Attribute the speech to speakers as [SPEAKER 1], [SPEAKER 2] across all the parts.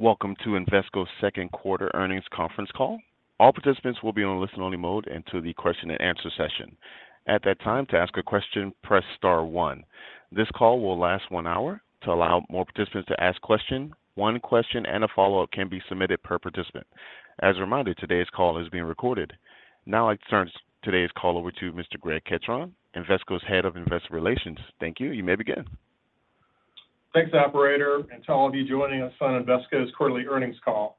[SPEAKER 1] Welcome to Invesco's Second Quarter Earnings Conference Call. All participants will be on a listen-only mode until the question-and-answer session. At that time, to ask a question, press star one. This call will last one hour. To allow more participants to ask questions, one question and a follow-up can be submitted per participant. As a reminder, today's call is being recorded. Now I turn today's call over to Mr. Greg Ketron, Invesco's Head of Investor Relations. Thank you. You may begin.
[SPEAKER 2] Thanks, operator, and to all of you joining us on Invesco's quarterly earnings call.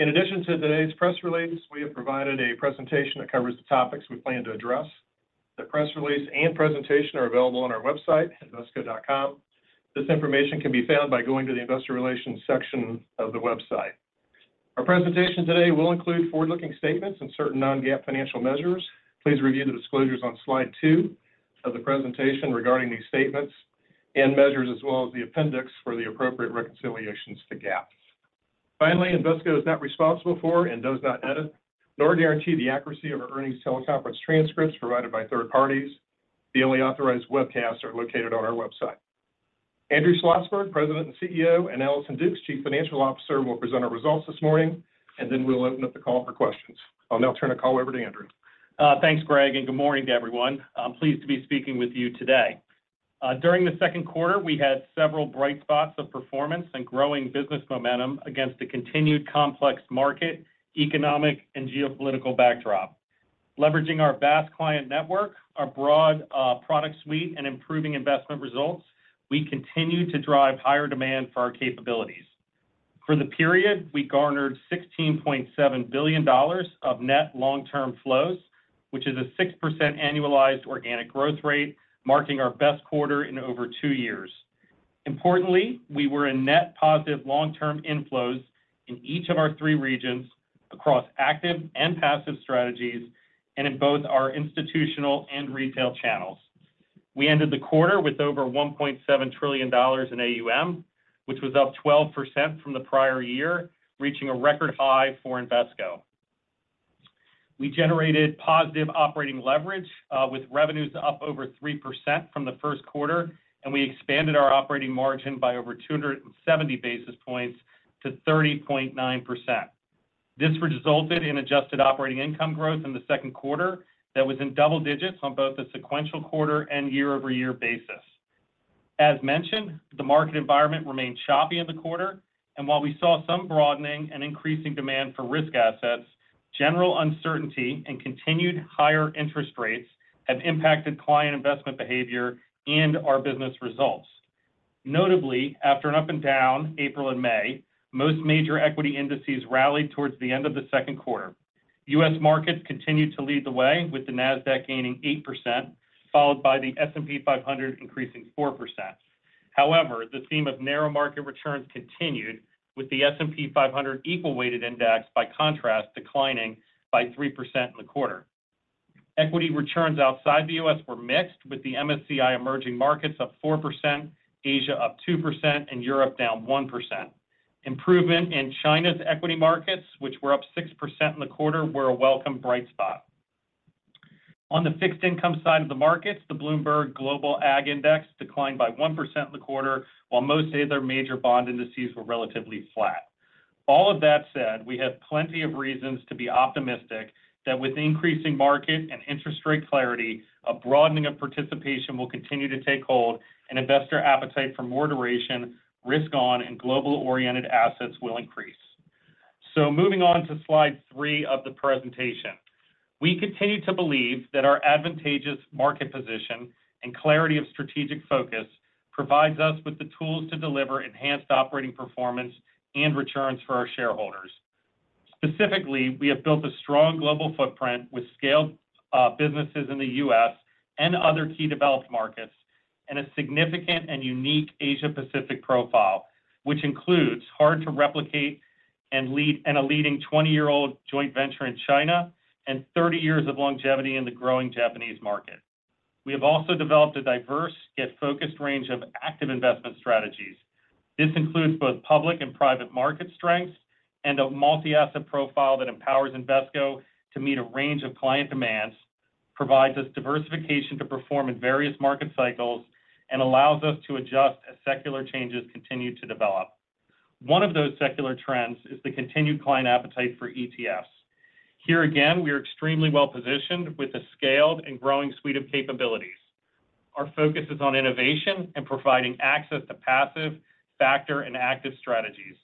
[SPEAKER 2] In addition to today's press release, we have provided a presentation that covers the topics we plan to address. The press release and presentation are available on our website, invesco.com. This information can be found by going to the investor relations section of the website. Our presentation today will include forward-looking statements and certain non-GAAP financial measures. Please review the disclosures on slide two of the presentation regarding these statements and measures, as well as the appendix for the appropriate reconciliations to GAAP. Finally, Invesco is not responsible for and does not edit nor guarantee the accuracy of our earnings teleconference transcripts provided by third parties. The only authorized webcasts are located on our website. Andrew Schlossberg, President and CEO, and Allison Dukes, Chief Financial Officer, will present our results this morning, and then we'll open up the call for questions. I'll now turn the call over to Andrew.
[SPEAKER 3] Thanks, Greg, and good morning to everyone. I'm pleased to be speaking with you today. During the Q2, we had several bright spots of performance and growing business momentum against a continued complex market, economic, and geopolitical backdrop. Leveraging our vast client network, our broad product suite, and improving investment results, we continue to drive higher demand for our capabilities. For the period, we garnered $16.7 billion of net long-term flows, which is a 6% annualized organic growth rate, marking our best quarter in over two years. Importantly, we were in net positive long-term inflows in each of our three regions across active and passive strategies and in both our institutional and retail channels. We ended the quarter with over $1.7 trillion in AUM, which was up 12% from the prior year, reaching a record high for Invesco. We generated positive operating leverage with revenues up over 3% from the Q1 and we expanded our operating margin by over 270 basis points to 30.9%. This resulted in adjusted operating income growth in the Q2 that was in double digits on both the sequential quarter and year-over-year basis. As mentioned, the market environment remained choppy in the quarter, and while we saw some broadening and increasing demand for risk assets, general uncertainty and continued higher interest rates have impacted client investment behavior and our business results. Notably, after an up and down April and May, most major equity indices rallied towards the end of the Q2. U.S. markets continued to lead the way, with the NASDAQ gaining 8%, followed by the S&P 500 increasing 4%. However, the theme of narrow market returns continued, with the S&P 500 Equal Weight Index, by contrast, declining by 3% in the quarter. Equity returns outside the U.S. were mixed, with the MSCI Emerging Markets up 4%, Asia up 2%, and Europe down 1%. Improvement in China's equity markets, which were up 6% in the quarter, were a welcome bright spot. On the fixed income side of the markets, the Bloomberg Global Aggregate Index declined by 1% in the quarter, while most other major bond indices were relatively flat. All of that said, we have plenty of reasons to be optimistic that with increasing market and interest rate clarity, a broadening of participation will continue to take hold, and investor appetite for more duration, risk-on, and global-oriented assets will increase. So moving on to slide 3 of the presentation, we continue to believe that our advantageous market position and clarity of strategic focus provides us with the tools to deliver enhanced operating performance and returns for our shareholders. Specifically, we have built a strong global footprint with scaled businesses in the U.S. and other key developed markets and a significant and unique Asia-Pacific profile, which includes hard-to-replicate and a leading 20-year-old joint venture in China and 30 years of longevity in the growing Japanese market. We have also developed a diverse yet focused range of active investment strategies. This includes both public and private market strengths and a multi-asset profile that empowers Invesco to meet a range of client demands, provides us diversification to perform in various market cycles, and allows us to adjust as secular changes continue to develop. One of those secular trends is the continued client appetite for ETFs. Here again, we are extremely well-positioned with a scaled and growing suite of capabilities. Our focus is on innovation and providing access to passive, factor, and active strategies.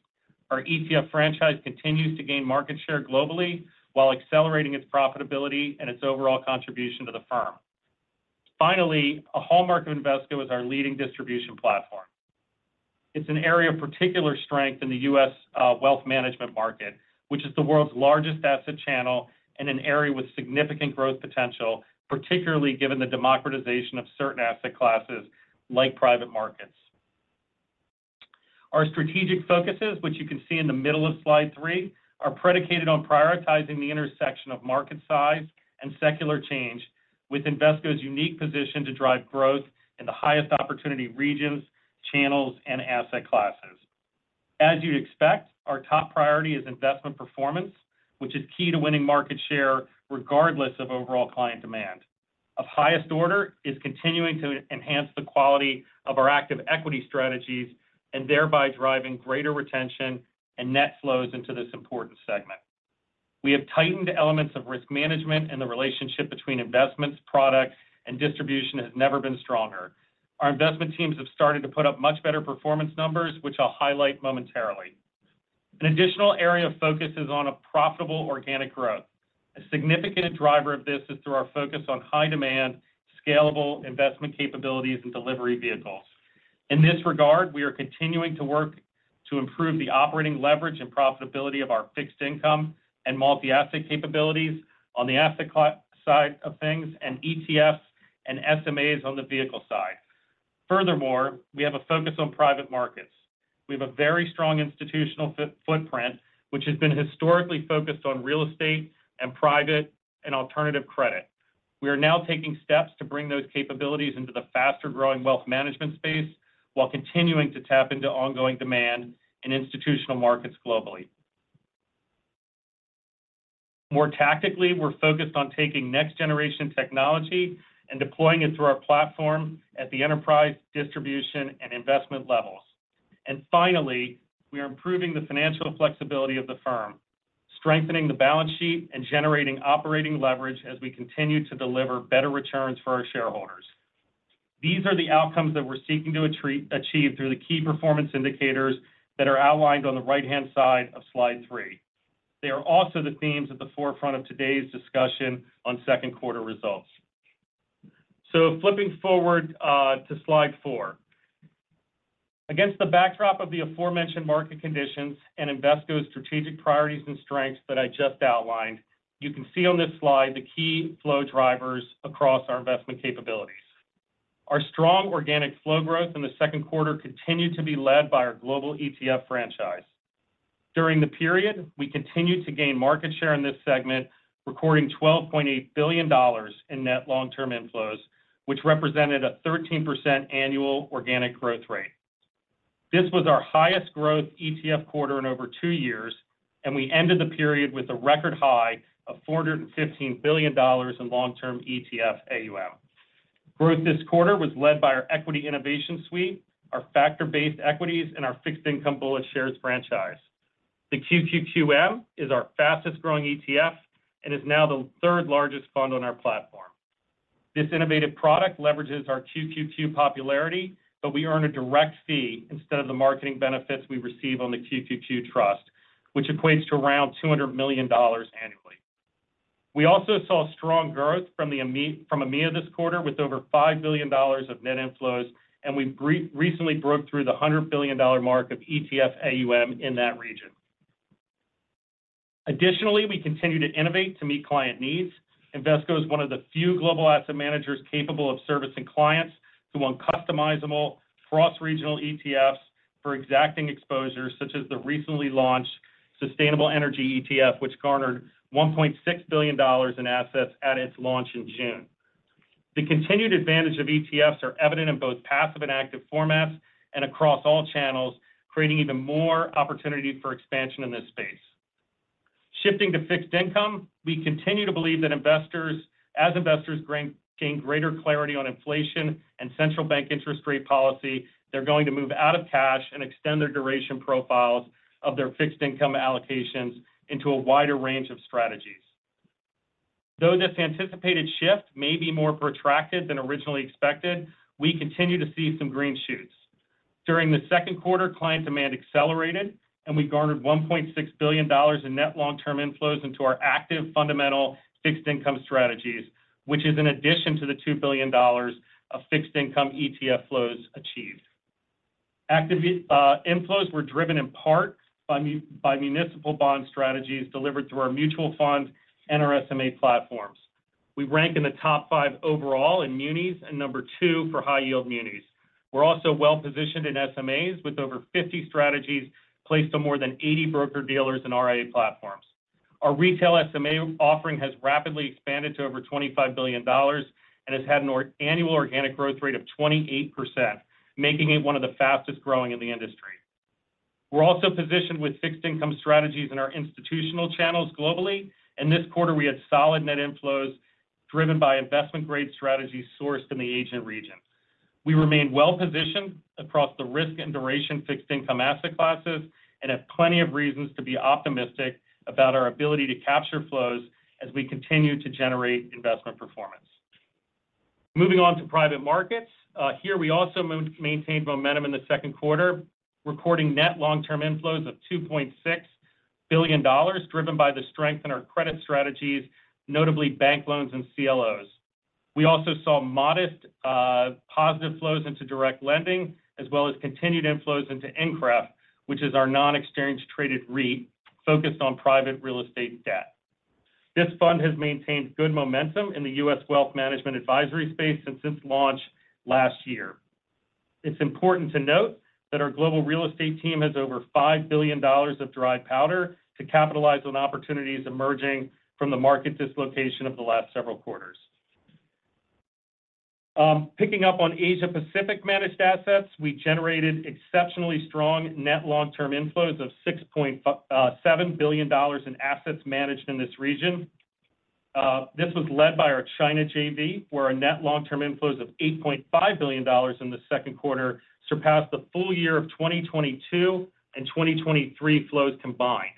[SPEAKER 3] Our ETF franchise continues to gain market share globally while accelerating its profitability and its overall contribution to the firm. Finally, a hallmark of Invesco is our leading distribution platform. It's an area of particular strength in the U.S. wealth management market, which is the world's largest asset channel and an area with significant growth potential, particularly given the democratization of certain asset classes like private markets. Our strategic focuses, which you can see in the middle of slide three, are predicated on prioritizing the intersection of market size and secular change, with Invesco's unique position to drive growth in the highest opportunity regions, channels, and asset classes. As you'd expect, our top priority is investment performance, which is key to winning market share regardless of overall client demand—of highest order is continuing to enhance the quality of our active equity strategies and thereby driving greater retention and net flows into this important segment. We have tightened elements of risk management, and the relationship between investments, products, and distribution has never been stronger. Our investment teams have started to put up much better performance numbers, which I'll highlight momentarily. An additional area of focus is on profitable organic growth. A significant driver of this is through our focus on high-demand, scalable investment capabilities and delivery vehicles. In this regard, we are continuing to work to improve the operating leverage and profitability of our fixed income and multi-asset capabilities on the asset side of things and ETFs and SMAs on the vehicle side. Furthermore, we have a focus on private markets. We have a very strong institutional footprint, which has been historically focused on real estate and private and alternative credit. We are now taking steps to bring those capabilities into the faster-growing wealth management space while continuing to tap into ongoing demand in institutional markets globally. More tactically, we're focused on taking next-generation technology and deploying it through our platform at the enterprise, distribution, and investment levels. And finally, we are improving the financial flexibility of the firm, strengthening the balance sheet, and generating operating leverage as we continue to deliver better returns for our shareholders. These are the outcomes that we're seeking to achieve through the key performance indicators that are outlined on the right-hand side of slide three. They are also the themes at the forefront of today's discussion on Q2 results. So flipping forward to slide four. Against the backdrop of the aforementioned market conditions and Invesco's strategic priorities and strengths that I just outlined, you can see on this slide the key flow drivers across our investment capabilities. Our strong organic flow growth in the Q2 continued to be led by our global ETF franchise. During the period, we continued to gain market share in this segment, recording $12.8 billion in net long-term inflows, which represented a 13% annual organic growth rate. This was our highest growth ETF quarter in over two years, and we ended the period with a record high of $415 billion in long-term ETF AUM. Growth this quarter was led by our equity innovation suite, our factor-based equities, and our fixed income BulletShares franchise. The QQQM is our fastest-growing ETF and is now the third largest fund on our platform. This innovative product leverages our QQQ popularity, but we earn a direct fee instead of the marketing benefits we receive on the QQQ Trust, which equates to around $200 million annually. We also saw strong growth from APAC this quarter with over $5 billion of net inflows, and we recently broke through the $100 billion mark of ETF AUM in that region. Additionally, we continue to innovate to meet client needs. Invesco is one of the few global asset managers capable of servicing clients who want customizable cross-regional ETFs for exacting exposures, such as the recently launched sustainable energy ETF, which garnered $1.6 billion in assets at its launch in June. The continued advantage of ETFs is evident in both passive and active formats and across all channels, creating even more opportunity for expansion in this space. Shifting to fixed income, we continue to believe that as investors gain greater clarity on inflation and central bank interest rate policy, they're going to move out of cash and extend their duration profiles of their fixed income allocations into a wider range of strategies. Though this anticipated shift may be more protracted than originally expected, we continue to see some green shoots. During the Q2, client demand accelerated, and we garnered $1.6 billion in net long-term inflows into our active fundamental fixed income strategies, which is in addition to the $2 billion of fixed income ETF flows achieved. Active inflows were driven in part by municipal bond strategies delivered through our mutual fund and our SMA platforms. We rank in the top five overall in munis and number two for high-yield munis. We're also well-positioned in SMAs with over 50 strategies placed on more than 80 broker-dealers and RIA platforms. Our retail SMA offering has rapidly expanded to over $25 billion and has had an annual organic growth rate of 28%, making it one of the fastest-growing in the industry. We're also positioned with fixed income strategies in our institutional channels globally, and this quarter, we had solid net inflows driven by investment-grade strategies sourced in the Asian region. We remain well-positioned across the risk and duration fixed income asset classes and have plenty of reasons to be optimistic about our ability to capture flows as we continue to generate investment performance. Moving on to private markets, here we also maintained momentum in the Q2, recording net long-term inflows of $2.6 billion driven by the strength in our credit strategies, notably bank loans and CLOs. We also saw modest positive flows into direct lending, as well as continued inflows into INCREF, which is our non-exchange-traded REIT focused on private real estate debt. This fund has maintained good momentum in the U.S. wealth management advisory space since its launch last year. It's important to note that our global real estate team has over $5 billion of dry powder to capitalize on opportunities emerging from the market dislocation of the last several quarters. Picking up on Asia-Pacific managed assets, we generated exceptionally strong net long-term inflows of $6.7 billion in assets managed in this region. This was led by our China JV, where our net long-term inflows of $8.5 billion in the Q2 surpassed the full year of 2022 and 2023 flows combined.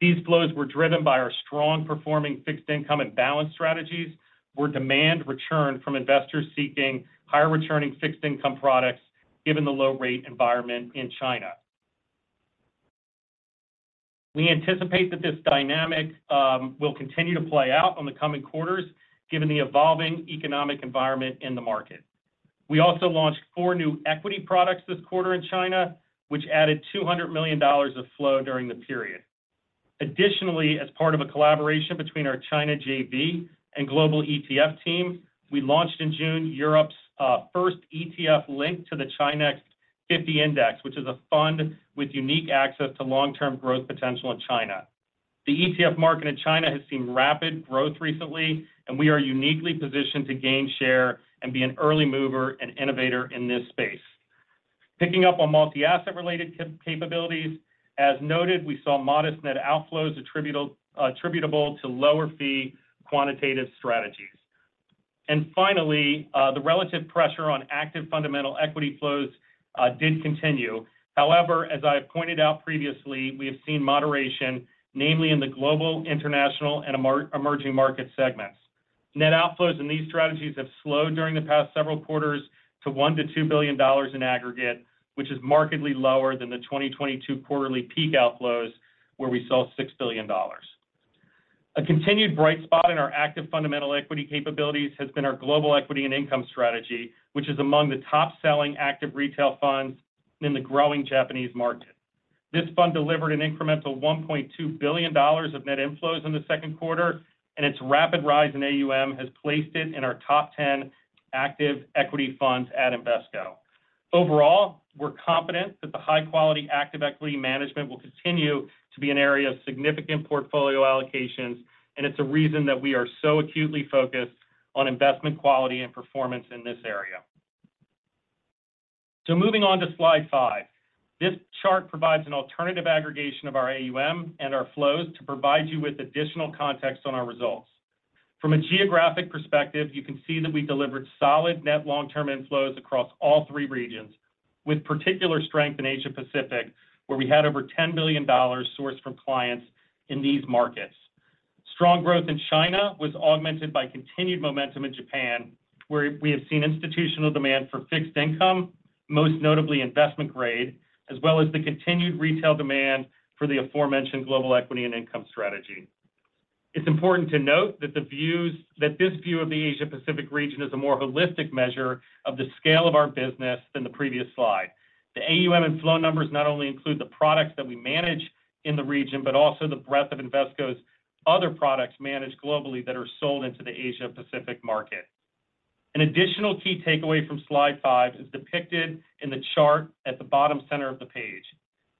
[SPEAKER 3] These flows were driven by our strong-performing fixed income and balance strategies, where demand returned from investors seeking higher-returning fixed income products given the low-rate environment in China. We anticipate that this dynamic will continue to play out in the coming quarters given the evolving economic environment in the market. We also launched four new equity products this quarter in China, which added $200 million of flow during the period. Additionally, as part of a collaboration between our China JV and global ETF team, we launched in June Europe's first ETF link to the ChiNext 50 Index, which is a fund with unique access to long-term growth potential in China. The ETF market in China has seen rapid growth recently, and we are uniquely positioned to gain share and be an early mover and innovator in this space. Picking up on multi-asset-related capabilities, as noted, we saw modest net outflows attributable to lower-fee quantitative strategies. And finally, the relative pressure on active fundamental equity flows did continue. However, as I pointed out previously, we have seen moderation, namely in the global, international, and emerging market segments. Net outflows in these strategies have slowed during the past several quarters to $1-$2 billion in aggregate, which is markedly lower than the 2022 quarterly peak outflows, where we saw $6 billion. A continued bright spot in our active fundamental equity capabilities has been our global equity and income strategy, which is among the top-selling active retail funds in the growing Japanese market. This fund delivered an incremental $1.2 billion of net inflows in the Q2, and its rapid rise in AUM has placed it in our top 10 active equity funds at Invesco. Overall, we're confident that the high-quality active equity management will continue to be an area of significant portfolio allocations, and it's a reason that we are so acutely focused on investment quality and performance in this area. Moving on to slide five, this chart provides an alternative aggregation of our AUM and our flows to provide you with additional context on our results. From a geographic perspective, you can see that we delivered solid net long-term inflows across all three regions, with particular strength in Asia-Pacific, where we had over $10 billion sourced from clients in these markets. Strong growth in China was augmented by continued momentum in Japan, where we have seen institutional demand for fixed income, most notably investment grade, as well as the continued retail demand for the aforementioned global equity and income strategy. It's important to note that this view of the Asia-Pacific region is a more holistic measure of the scale of our business than the previous slide. The AUM and flow numbers not only include the products that we manage in the region, but also the breadth of Invesco's other products managed globally that are sold into the Asia-Pacific market. An additional key takeaway from slide five is depicted in the chart at the bottom center of the page.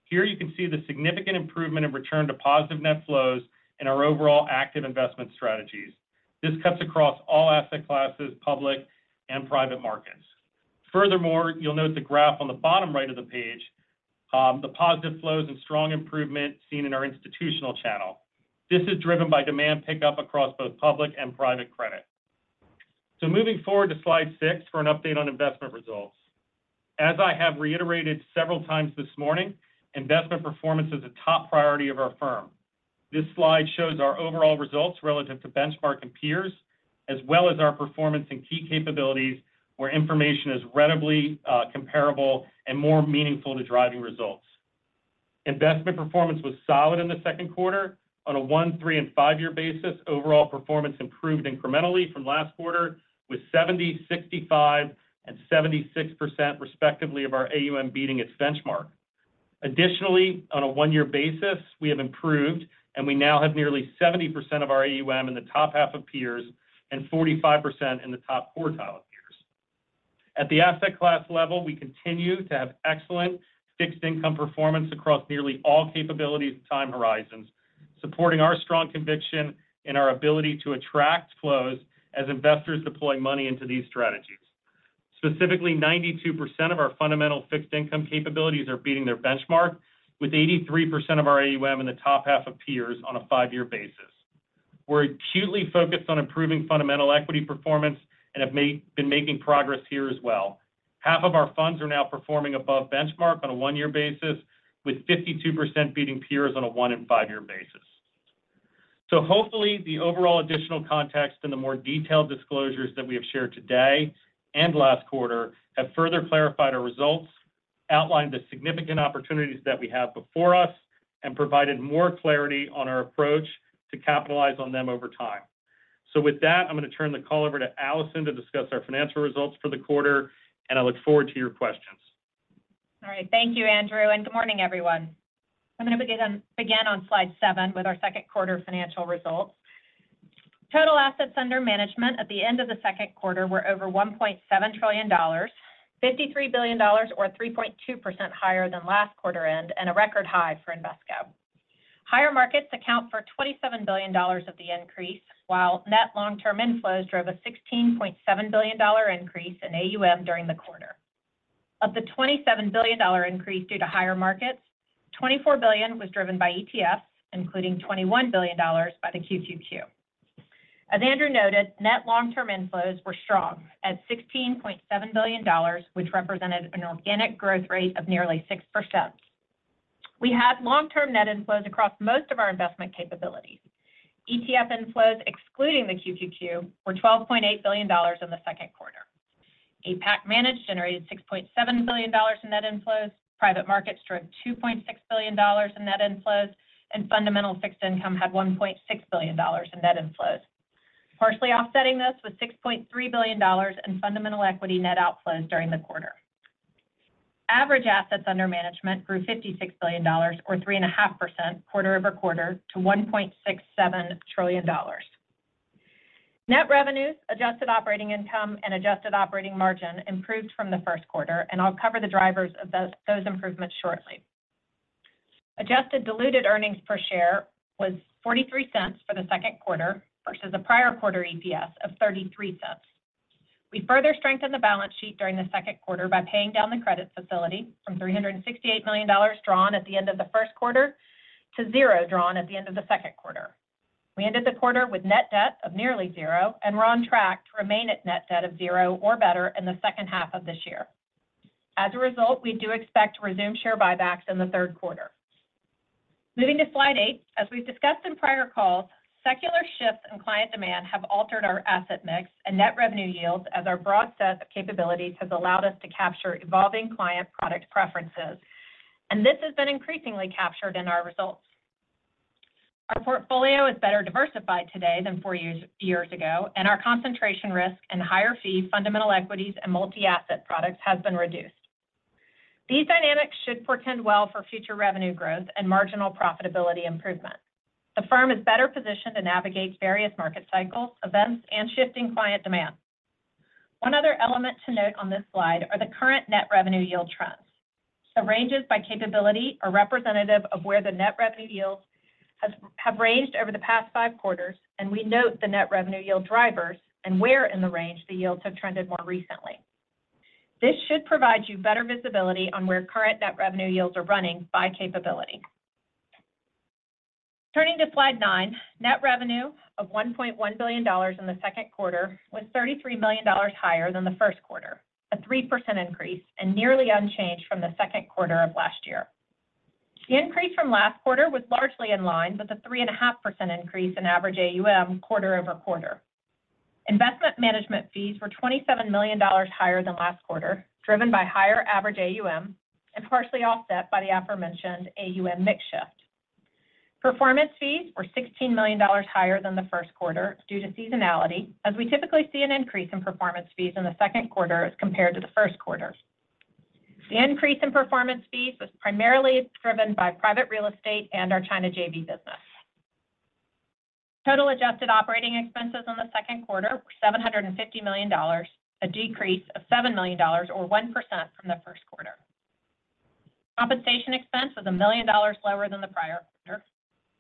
[SPEAKER 3] Here you can see the significant improvement in return to positive net flows in our overall active investment strategies. This cuts across all asset classes, public and private markets. Furthermore, you'll note the graph on the bottom right of the page, the positive flows and strong improvement seen in our institutional channel. This is driven by demand pickup across both public and private credit. So moving forward to slide 6 for an update on investment results. As I have reiterated several times this morning, investment performance is a top priority of our firm. This slide shows our overall results relative to benchmark and peers, as well as our performance and key capabilities, where information is readily comparable and more meaningful to driving results. Investment performance was solid in the Q2. On a one-, three-, and five-year basis, overall performance improved incrementally from last quarter with 70%, 65%, and 76% respectively of our AUM beating its benchmark. Additionally, on a one-year basis, we have improved, and we now have nearly 70% of our AUM in the top half of peers and 45% in the top quartile of peers. At the asset class level, we continue to have excellent fixed income performance across nearly all capabilities and time horizons, supporting our strong conviction in our ability to attract flows as investors deploy money into these strategies. Specifically, 92% of our fundamental fixed income capabilities are beating their benchmark, with 83% of our AUM in the top half of peers on a five-year basis. We're acutely focused on improving fundamental equity performance and have been making progress here as well. Half of our funds are now performing above benchmark on a one-year basis, with 52% beating peers on a one- and five-year basis. So hopefully, the overall additional context and the more detailed disclosures that we have shared today and last quarter have further clarified our results, outlined the significant opportunities that we have before us, and provided more clarity on our approach to capitalize on them over time. So with that, I'm going to turn the call over to Allison to discuss our financial results for the quarter, and I look forward to your questions.
[SPEAKER 4] All right. Thank you, Andrew. Good morning, everyone. I'm going to begin on slide seven with our Q2 financial results. Total assets under management at the end of the Q2 were over $1.7 trillion, $53 billion, or 3.2% higher than last quarter end, and a record high for Invesco. Higher markets account for $27 billion of the increase, while net long-term inflows drove a $16.7 billion increase in AUM during the quarter. Of the $27 billion increase due to higher markets, $24 billion was driven by ETFs, including $21 billion by the QQQ. As Andrew noted, net long-term inflows were strong at $16.7 billion, which represented an organic growth rate of nearly 6%. We had long-term net inflows across most of our investment capabilities. ETF inflows, excluding the QQQ, were $12.8 billion in the Q2. APAC generated $6.7 billion in net inflows. Private markets drove $2.6 billion in net inflows, and fundamental fixed income had $1.6 billion in net inflows. Partially offsetting this was $6.3 billion in fundamental equity net outflows during the quarter. Average assets under management grew $56 billion, or 3.5% quarter-over-quarter, to $1.67 trillion. Net revenues, adjusted operating income, and adjusted operating margin improved from the Q1, and I'll cover the drivers of those improvements shortly. Adjusted diluted earnings per share was $0.43 for the Q2 versus a prior quarter EPS of $0.33. We further strengthened the balance sheet during the Q2 by paying down the credit facility from $368 million drawn at the end of the Q to zero drawn at the end of the Q2. We ended the quarter with net debt of nearly zero and were on track to remain at net debt of zero or better in the second half of this year. As a result, we do expect to resume share buybacks in the Q3. Moving to slide eight, as we've discussed in prior calls, secular shifts in client demand have altered our asset mix and net revenue yields as our broad set of capabilities has allowed us to capture evolving client product preferences, and this has been increasingly captured in our results. Our portfolio is better diversified today than four years ago, and our concentration risk in higher-fee fundamental equities and multi-asset products has been reduced. These dynamics should portend well for future revenue growth and marginal profitability improvement. The firm is better positioned to navigate various market cycles, events, and shifting client demand. One other element to note on this slide are the current net revenue yield trends. The ranges by capability are representative of where the net revenue yields have ranged over the past five quarters, and we note the net revenue yield drivers and where in the range the yields have trended more recently. This should provide you better visibility on where current net revenue yields are running by capability. Turning to slide nine, net revenue of $1.1 billion in the Q2 was $33 million higher than the Q1, a 3% increase and nearly unchanged from the Q2 of last year. The increase from last quarter was largely in line with the 3.5% increase in average AUM quarter-over-quarter. Investment management fees were $27 million higher than last quarter, driven by higher average AUM and partially offset by the aforementioned AUM mix shift. Performance fees were $16 million higher than the Q1 due to seasonality, as we typically see an increase in performance fees in the Q2 as compared to the Q1. The increase in performance fees was primarily driven by private real estate and our China JV business. Total adjusted operating expenses in the second quarter were $750 million, a decrease of $7 million, or 1% from the Q1. Compensation expense was $1 million lower than the prior quarter.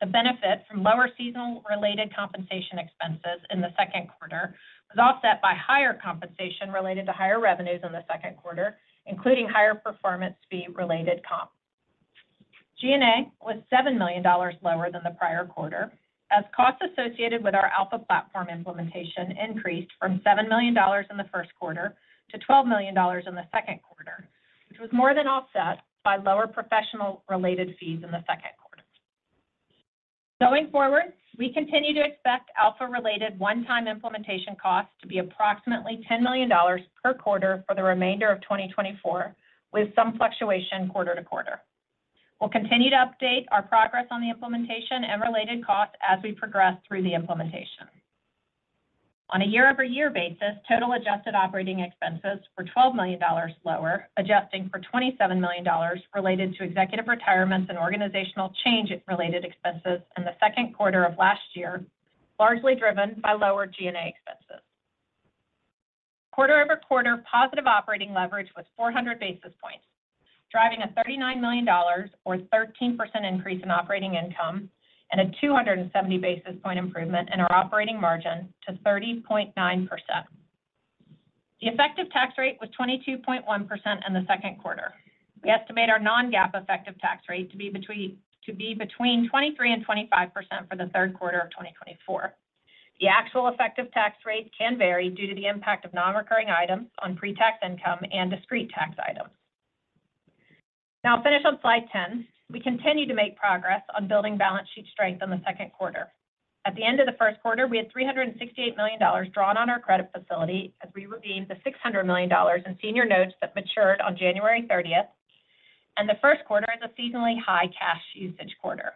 [SPEAKER 4] The benefit from lower seasonal-related compensation expenses in the Q2 was offset by higher compensation related to higher revenues in the Q2, including higher performance fee-related comp. G&A was $7 million lower than the prior quarter, as costs associated with our Alpha platform implementation increased from $7 million in the Q1 to $12 million in the Q2, which was more than offset by lower professional-related fees in the Q2 Going forward, we continue to expect Alpha-related one-time implementation costs to be approximately $10 million per quarter for the remainder of 2024, with some fluctuation quarter to quarter. We'll continue to update our progress on the implementation and related costs as we progress through the implementation. On a year-over-year basis, total adjusted operating expenses were $12 million lower, adjusting for $27 million related to executive retirements and organizational change-related expenses in the second quarter of last year, largely driven by lower G&A expenses. Quarter-over-quarter, positive operating leverage was 400 basis points, driving a $39 million, or 13% increase in operating income, and a 270 basis point improvement in our operating margin to 30.9%. The effective tax rate was 22.1% in the Q2. We estimate our non-GAAP effective tax rate to be between 23%-25% for the Q3 of 2024. The actual effective tax rate can vary due to the impact of non-recurring items on pre-tax income and discrete tax items. Now, I'll finish on slide 10. We continue to make progress on building balance sheet strength in the Q2. At the end of the Q1, we had $368 million drawn on our credit facility as we redeemed the $600 million in senior notes that matured on January 30th, and the Q1 is a seasonally high cash usage quarter.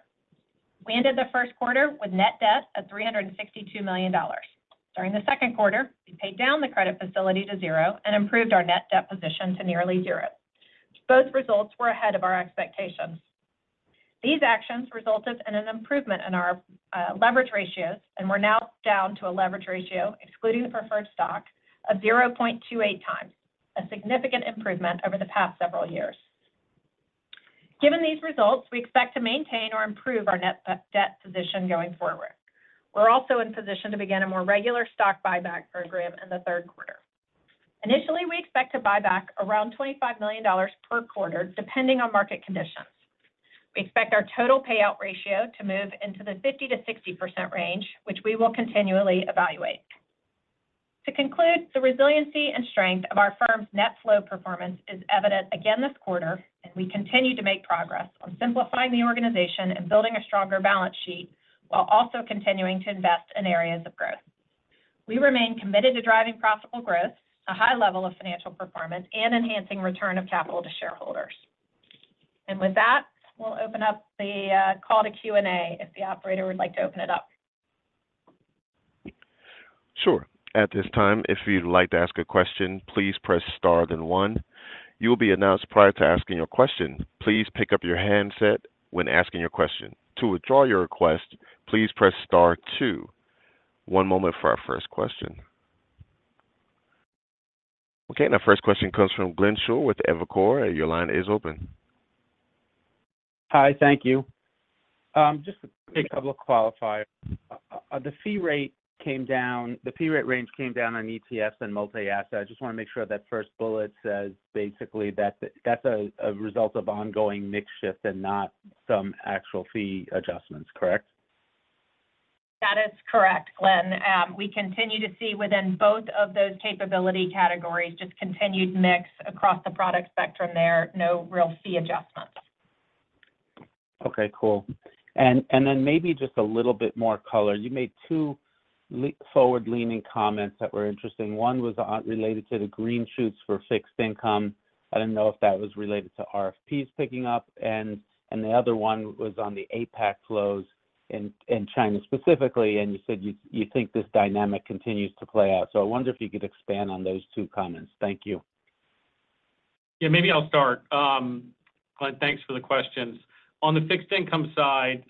[SPEAKER 4] We ended the Q1 with net debt of $362 million. During the Q2, we paid down the credit facility to zero and improved our net debt position to nearly zero. Both results were ahead of our expectations. These actions resulted in an improvement in our leverage ratios and we're now down to a leverage ratio, excluding preferred stock, of 0.28 times, a significant improvement over the past several years. Given these results, we expect to maintain or improve our net debt position going forward. We're also in position to begin a more regular stock buyback program in the Q3. Initially, we expect to buy back around $25 million per quarter, depending on market conditions. We expect our total payout ratio to move into the 50%-60% range, which we will continually evaluate. To conclude, the resiliency and strength of our firm's net flow performance is evident again this quarter, and we continue to make progress on simplifying the organization and building a stronger balance sheet while also continuing to invest in areas of growth. We remain committed to driving profitable growth, a high level of financial performance, and enhancing return of capital to shareholders. And with that, we'll open up the call to Q&A if the operator would like to open it up.
[SPEAKER 1] Sure. At this time, if you'd like to ask a question, please press star then one. You will be announced prior to asking your question. Please pick up your handset when asking your question. To withdraw your request, please press star two. One moment for our first question. Okay. Our first question comes from Glenn Schorr with Evercore, and your line is open.
[SPEAKER 5] Hi. Thank you. Just a couple of qualifiers. The fee rate came down. The fee rate range came down on ETFs and multi-asset. I just want to make sure that first bullet says basically that that's a result of ongoing mix shift and not some actual fee adjustments, correct?
[SPEAKER 4] That is correct, Glenn. We continue to see within both of those capability categories just continued mix across the product spectrum there, no real fee adjustments.
[SPEAKER 5] Okay. Cool. Then maybe just a little bit more color. You made two forward-leaning comments that were interesting. One was related to the green shoots for fixed income. I don't know if that was related to RFPs picking up, and the other one was on the APAC flows in China specifically, and you said you think this dynamic continues to play out. So I wonder if you could expand on those two comments. Thank you.
[SPEAKER 3] Yeah. Maybe I'll start. Glenn, thanks for the questions. On the fixed income side,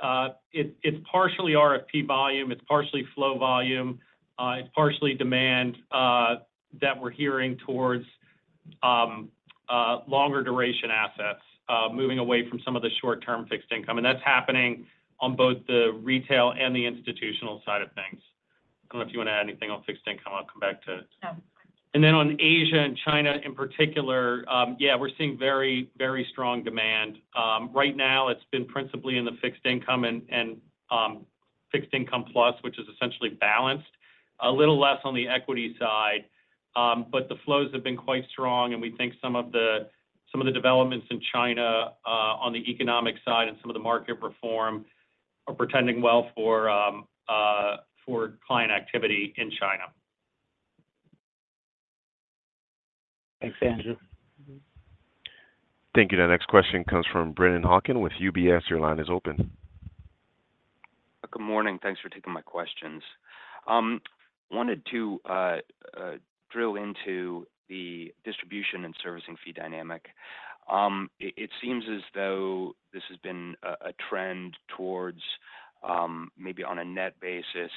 [SPEAKER 3] it's partially RFP volume, it's partially flow volume, it's partially demand that we're hearing towards longer duration assets, moving away from some of the short-term fixed income, and that's happening on both the retail and the institutional side of things. I don't know if you want to add anything on fixed income. I'll come back to. And then on Asia and China in particular, yeah, we're seeing very, very strong demand. Right now, it's been principally in the fixed income and fixed income plus, which is essentially balanced, a little less on the equity side, but the flows have been quite strong, and we think some of the developments in China on the economic side and some of the market reform are portending well for client activity in China.
[SPEAKER 5] Thanks, Andrew.
[SPEAKER 1] Thank you. Now, next question comes from Brennan Hawken with UBS. Your line is open.
[SPEAKER 6] Good morning. Thanks for taking my questions. I wanted to drill into the distribution and servicing fee dynamic. It seems as though this has been a trend towards maybe on a net basis,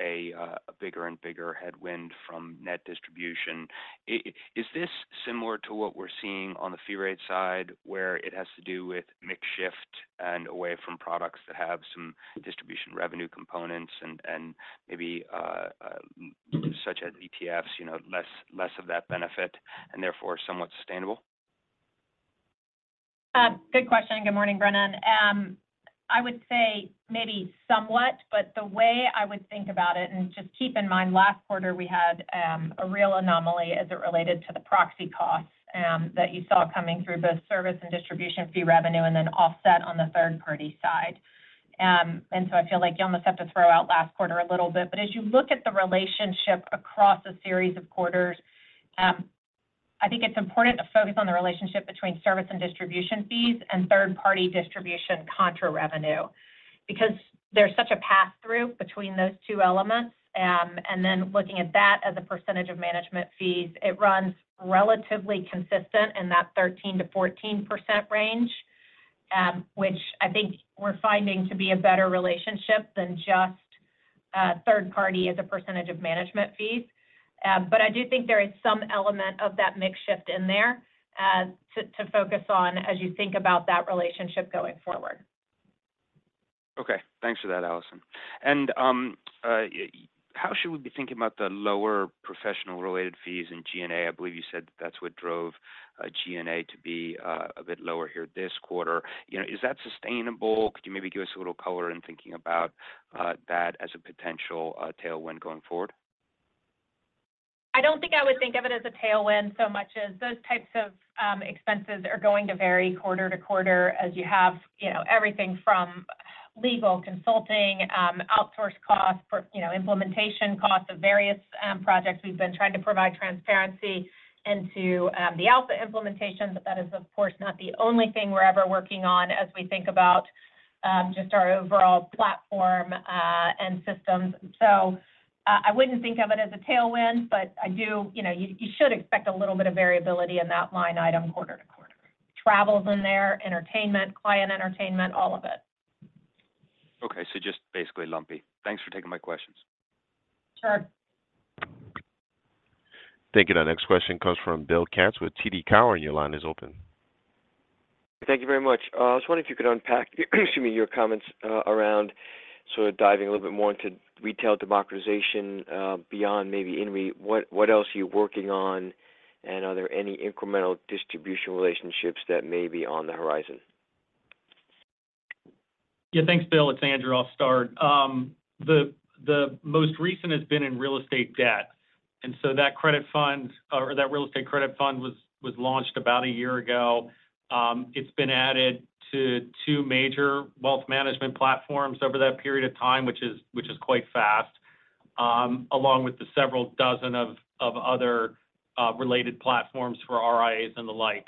[SPEAKER 6] a bigger and bigger headwind from net distribution. Is this similar to what we're seeing on the fee rate side, where it has to do with mix shift and away from products that have some distribution revenue components and maybe such as ETFs, less of that benefit and therefore somewhat sustainable?
[SPEAKER 4] Good question. Good morning, Brennan. I would say maybe somewhat, but the way I would think about it, and just keep in mind last quarter we had a real anomaly as it related to the proxy costs that you saw coming through both service and distribution fee revenue and then offset on the third-party side. And so I feel like you almost have to throw out last quarter a little bit, but as you look at the relationship across a series of quarters, I think it's important to focus on the relationship between service and distribution fees and third-party distribution contra revenue because there's such a pass-through between those two elements. And then looking at that as a percentage of management fees, it runs relatively consistent in that 13%-14% range, which I think we're finding to be a better relationship than just third-party as a percentage of management fees. But I do think there is some element of that mix shift in there to focus on as you think about that relationship going forward.
[SPEAKER 6] Okay. Thanks for that, Allison. And how should we be thinking about the lower professional-related fees in G&A? I believe you said that's what drove G&A to be a bit lower here this quarter. Is that sustainable? Could you maybe give us a little color in thinking about that as a potential tailwind going forward?
[SPEAKER 4] I don't think I would think of it as a tailwind so much as those types of expenses are going to vary quarter to quarter as you have everything from legal consulting, outsource costs, implementation costs of various projects. We've been trying to provide transparency into the Alpha implementation, but that is, of course, not the only thing we're ever working on as we think about just our overall platform and systems. So I wouldn't think of it as a tailwind, but I do, you should expect a little bit of variability in that line item quarter to quarter. Travels in there, entertainment, client entertainment, all of it.
[SPEAKER 6] Okay. So just basically lumpy. Thanks for taking my questions.
[SPEAKER 4] Sure.
[SPEAKER 1] Thank you. Now, next question comes from Bill Katz with TD Cowen. Your line is open.
[SPEAKER 7] Thank you very much. I was wondering if you could unpack, excuse me, your comments around sort of diving a little bit more into retail democratization beyond maybe Invesco Real Estate. What else are you working on, and are there any incremental distribution relationships that may be on the horizon? Yeah.
[SPEAKER 3] Thanks, Bill. It's Andrew. I'll start. The most recent has been in real estate debt. And so that credit fund or that real estate credit fund was launched about a year ago. It's been added to two major wealth management platforms over that period of time, which is quite fast, along with the several dozen of other related platforms for RIAs and the like.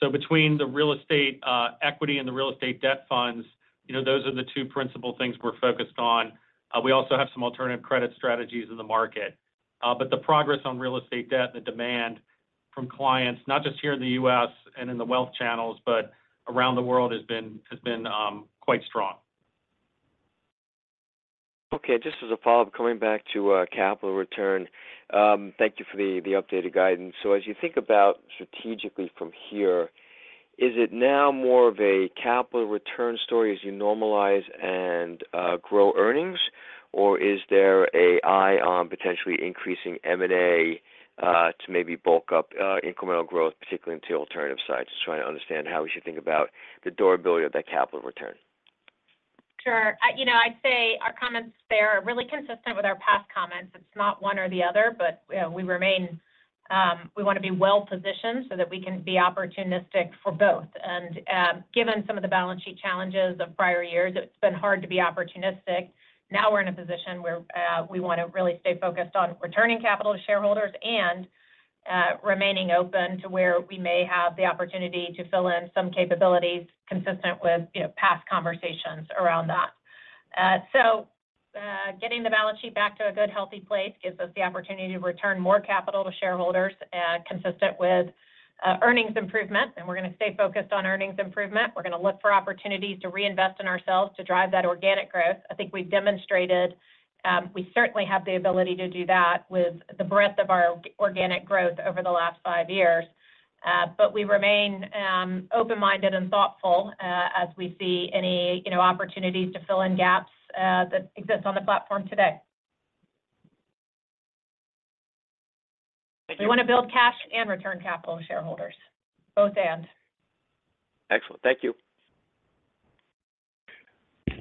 [SPEAKER 3] So between the real estate equity and the real estate debt funds, those are the two principal things we're focused on. We also have some alternative credit strategies in the market. But the progress on real estate debt and the demand from clients, not just here in the U.S. and in the wealth channels, but around the world, has been quite strong.
[SPEAKER 7] Okay. Just as a follow-up, coming back to capital return, thank you for the updated guidance. So as you think about strategically from here, is it now more of a capital return story as you normalize and grow earnings, or is there an eye on potentially increasing M&A to maybe bulk up incremental growth, particularly into alternative assets to try and understand how we should think about the durability of that capital return?
[SPEAKER 4] Sure. I'd say our comments there are really consistent with our past comments. It's not one or the other, but we want to be well-positioned so that we can be opportunistic for both. Given some of the balance sheet challenges of prior years, it's been hard to be opportunistic. Now we're in a position where we want to really stay focused on returning capital to shareholders and remaining open to where we may have the opportunity to fill in some capabilities consistent with past conversations around that. Getting the balance sheet back to a good, healthy place gives us the opportunity to return more capital to shareholders consistent with earnings improvement, and we're going to stay focused on earnings improvement. We're going to look for opportunities to reinvest in ourselves to drive that organic growth. I think we've demonstrated we certainly have the ability to do that with the breadth of our organic growth over the last five years, but we remain open-minded and thoughtful as we see any opportunities to fill in gaps that exist on the platform today. We want to build cash and return capital to shareholders, both and.
[SPEAKER 7] Excellent. Thank you.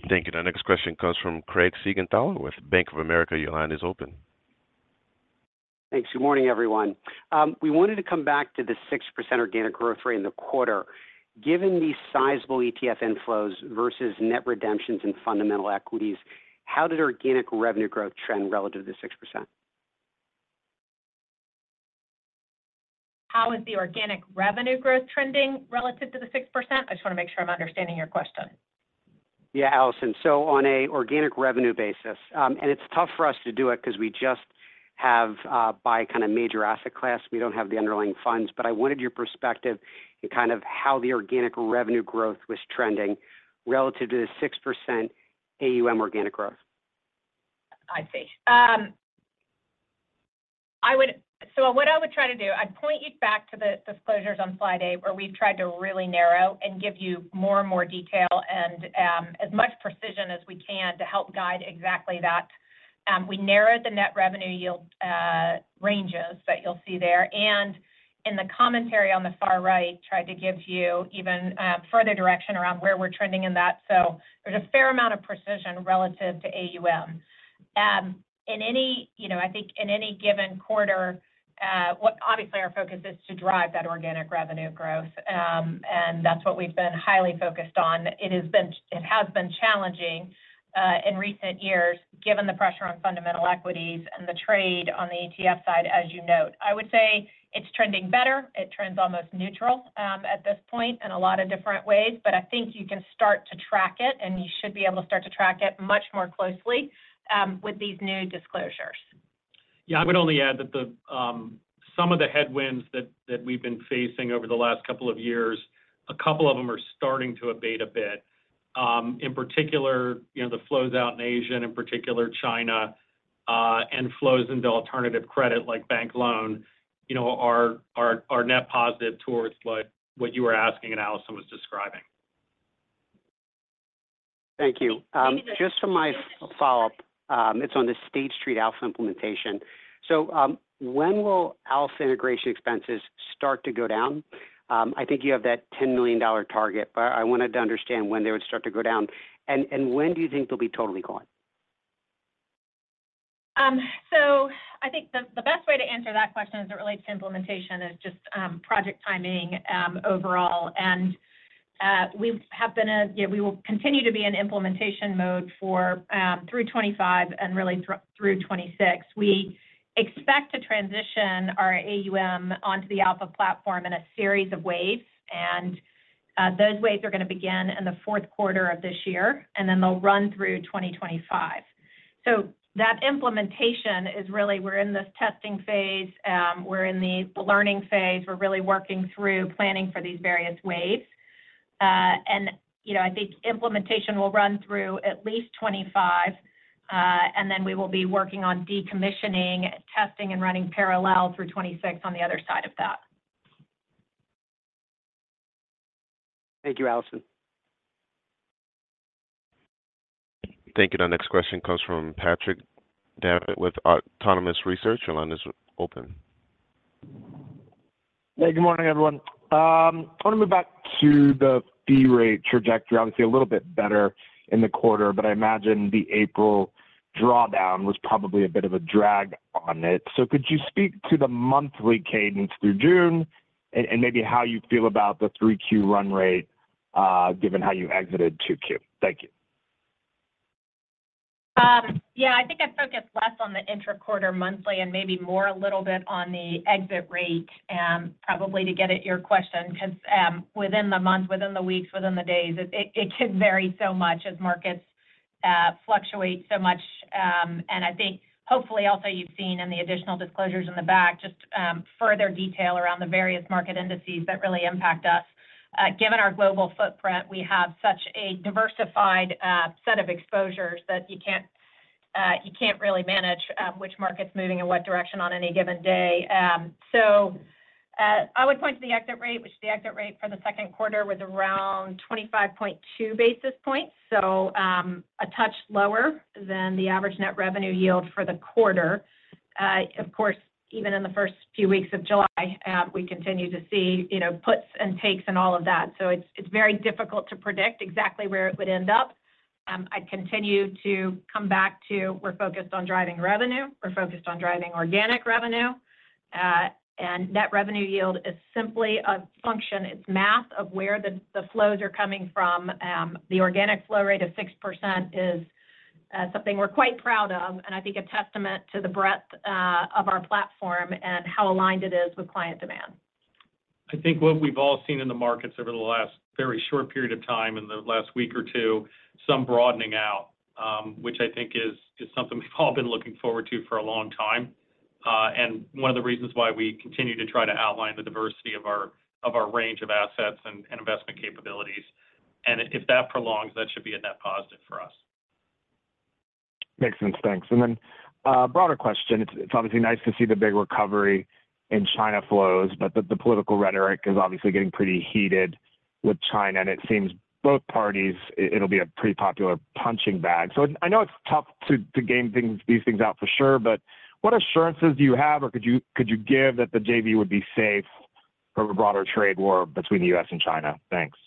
[SPEAKER 1] Thank you. Now, next question comes from Craig Siegenthaler with Bank of America. Your line is open.
[SPEAKER 8] Thanks. Good morning, everyone. We wanted to come back to the 6% organic growth rate in the quarter. Given these sizable ETF inflows versus net redemptions in fundamental equities, how did organic revenue growth trend relative to the 6%?
[SPEAKER 4] How is the organic revenue growth trending relative to the 6%? I just want to make sure I'm understanding your question.
[SPEAKER 8] Yeah, Allison. So on an organic revenue basis, and it's tough for us to do it because we just have by kind of major asset class, we don't have the underlying funds, but I wanted your perspective in kind of how the organic revenue growth was trending relative to the 6% AUM organic growth.
[SPEAKER 4] I see. So what I would try to do, I'd point you back to the disclosures on Friday where we've tried to really narrow and give you more and more detail and as much precision as we can to help guide exactly that. We narrowed the net revenue yield ranges that you'll see there, and in the commentary on the far right, tried to give you even further direction around where we're trending in that. So there's a fair amount of precision relative to AUM. I think in any given quarter, obviously our focus is to drive that organic revenue growth, and that's what we've been highly focused on. It has been challenging in recent years given the pressure on fundamental equities and the trade on the ETF side, as you note. I would say it's trending better. It trends almost neutral at this point in a lot of different ways, but I think you can start to track it, and you should be able to start to track it much more closely with these new disclosures.
[SPEAKER 3] Yeah. I would only add that some of the headwinds that we've been facing over the last couple of years, a couple of them are starting to abate a bit. In particular, the flows out in Asia, in particular China, and flows into alternative credit like bank loan are net positive towards what you were asking and Allison was describing.
[SPEAKER 8] Thank you. Just for my follow-up, it's on the State Street Alpha implementation. So when will Alpha integration expenses start to go down? I think you have that $10 million target, but I wanted to understand when they would start to go down, and when do you think they'll be totally gone?
[SPEAKER 4] So I think the best way to answer that question as it relates to implementation is just project timing overall, and we have been, we will continue to be in implementation mode through 2025 and really through 2026. We expect to transition our AUM onto the Alpha platform in a series of waves, and those waves are going to begin in the Q4 of this year, and then they'll run through 2025. So that implementation is really we're in this testing phase. We're in the learning phase. We're really working through planning for these various waves. And I think implementation will run through at least 2025, and then we will be working on decommissioning, testing, and running parallel through 2026 on the other side of that.
[SPEAKER 8] Thank you, Allison.
[SPEAKER 1] Thank you. Now, next question comes from Patrick Davitt with Autonomous Research. Your line is open.
[SPEAKER 9] Hey. Good morning, everyone. I want to move back to the fee rate trajectory. Obviously, a little bit better in the quarter, but I imagine the April drawdown was probably a bit of a drag on it. So, could you speak to the monthly cadence through June and maybe how you feel about the 3Q run rate given how you exited 2Q? Thank you.
[SPEAKER 4] Yeah. I think I focus less on the intra-quarter monthly and maybe more a little bit on the exit rate, probably to get at your question because within the month, within the weeks, within the days, it can vary so much as markets fluctuate so much. And I think hopefully also you've seen in the additional disclosures in the back just further detail around the various market indices that really impact us. Given our global footprint, we have such a diversified set of exposures that you can't really manage which market's moving in what direction on any given day. So I would point to the exit rate, which the exit rate for the Q2 was around 25.2 basis points, so a touch lower than the average net revenue yield for the quarter. Of course, even in the first few weeks of July, we continue to see puts and takes and all of that. So it's very difficult to predict exactly where it would end up. I continue to come back to we're focused on driving revenue. We're focused on driving organic revenue, and net revenue yield is simply a function. It's math of where the flows are coming from. The organic flow rate of 6% is something we're quite proud of, and I think a testament to the breadth of our platform and how aligned it is with client demand.
[SPEAKER 3] I think what we've all seen in the markets over the last very short period of time, in the last week or two, some broadening out, which I think is something we've all been looking forward to for a long time. And one of the reasons why we continue to try to outline the diversity of our range of assets and investment capabilities. And if that prolongs, that should be a net positive for us.
[SPEAKER 9] Makes sense. Thanks. And then a broader question. It's obviously nice to see the big recovery in China flows, but the political rhetoric is obviously getting pretty heated with China, and it seems both parties. It'll be a pretty popular punching bag. So I know it's tough to game these things out for sure, but what assurances do you have or could you give that the JV would be safe for a broader trade war between the U.S. and China? Thanks.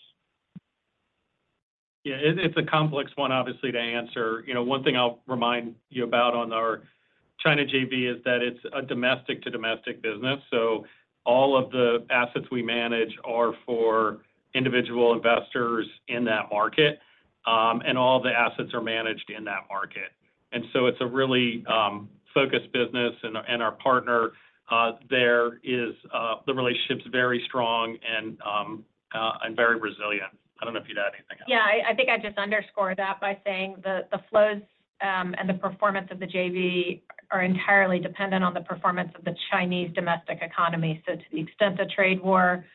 [SPEAKER 3] Yeah. It's a complex one, obviously, to answer. One thing I'll remind you about on our China JV is that it's a domestic-to-domestic business. So all of the assets we manage are for individual investors in that market, and all the assets are managed in that market. And so it's a really focused business, and our partner there is the relationship's very strong and very resilient. I don't know if you'd add anything else.
[SPEAKER 4] Yeah. I think I'd just underscore that by saying the flows and the performance of the JV are entirely dependent on the performance of the Chinese domestic economy. So to the extent the trade war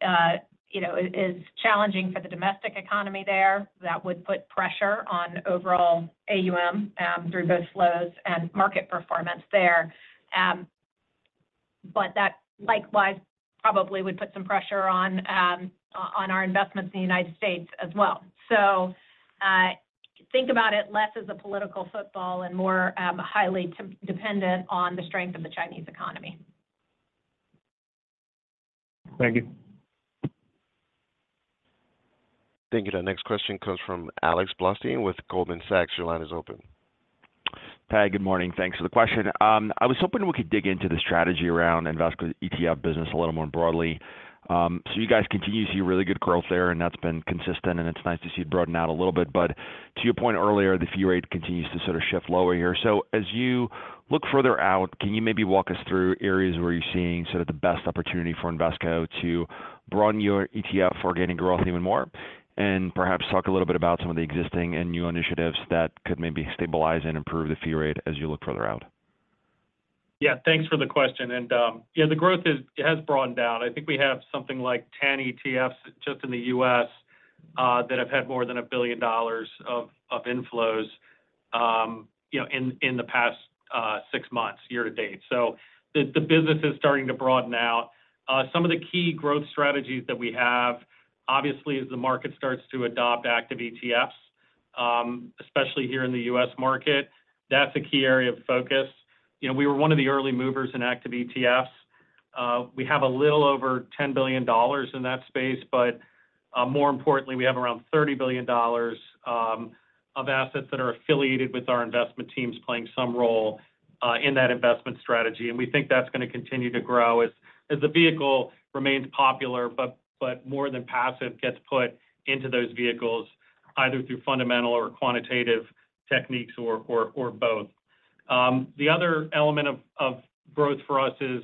[SPEAKER 4] is challenging for the domestic economy there, that would put pressure on overall AUM through both flows and market performance there. But that likewise probably would put some pressure on our investments in the United States as well. So think about it less as a political football and more highly dependent on the strength of the Chinese economy.
[SPEAKER 9] Thank you.
[SPEAKER 1] Thank you. Now, next question comes from Alex Blostein with Goldman Sachs. Your line is open.
[SPEAKER 10] Hi. Good morning. Thanks for the question. I was hoping we could dig into the strategy around investment ETF business a little more broadly. So you guys continue to see really good growth there, and that's been consistent, and it's nice to see it broaden out a little bit. But to your point earlier, the fee rate continues to sort of shift lower here. So as you look further out, can you maybe walk us through areas where you're seeing sort of the best opportunity for Invesco to broaden your ETF for gaining growth even more and perhaps talk a little bit about some of the existing and new initiatives that could maybe stabilize and improve the fee rate as you look further out?
[SPEAKER 3] Yeah. Thanks for the question. Yeah, the growth has broadened out. I think we have something like 10 ETFs just in the U.S. that have had more than $1 billion of inflows in the past six months year to date. The business is starting to broaden out. Some of the key growth strategies that we have, obviously, as the market starts to adopt active ETFs, especially here in the U.S. market, that's a key area of focus. We were one of the early movers in active ETFs. We have a little over $10 billion in that space, but more importantly, we have around $30 billion of assets that are affiliated with our investment teams playing some role in that investment strategy. We think that's going to continue to grow as the vehicle remains popular, but more than passive gets put into those vehicles either through fundamental or quantitative techniques or both. The other element of growth for us is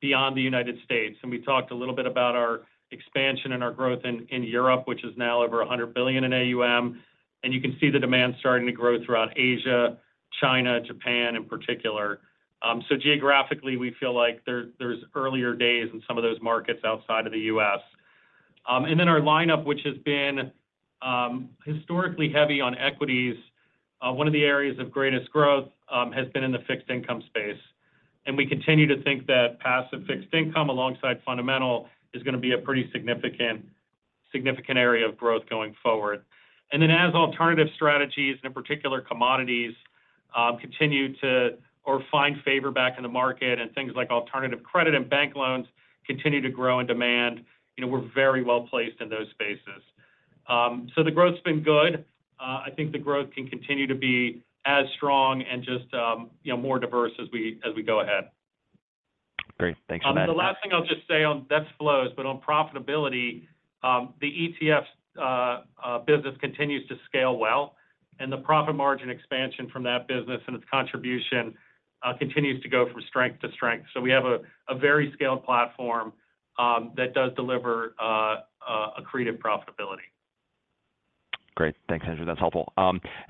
[SPEAKER 3] beyond the United States. We talked a little bit about our expansion and our growth in Europe, which is now over $100 billion in AUM. You can see the demand starting to grow throughout Asia, China, Japan in particular. Geographically, we feel like there's early days in some of those markets outside of the U.S. And then our lineup, which has been historically heavy on equities, one of the areas of greatest growth has been in the fixed income space. And we continue to think that passive fixed income alongside fundamental is going to be a pretty significant area of growth going forward. And then as alternative strategies and in particular commodities continue to or find favor back in the market and things like alternative credit and bank loans continue to grow in demand, we're very well placed in those spaces. So the growth's been good. I think the growth can continue to be as strong and just more diverse as we go ahead.
[SPEAKER 10] Great. Thanks for that.
[SPEAKER 3] The last thing I'll just say on that's flows, but on profitability, the ETF business continues to scale well, and the profit margin expansion from that business and its contribution continues to go from strength to strength. So we have a very scaled platform that does deliver accretive profitability.
[SPEAKER 10] Great. Thanks, Andrew. That's helpful.